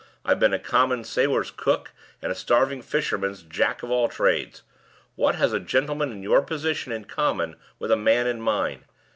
I've been a common sailors' cook, and a starving fisherman's Jack of all trades! What has a gentleman in your position in common with a man in mine?